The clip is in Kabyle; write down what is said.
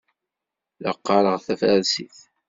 La qqaṛeɣ tafarsit.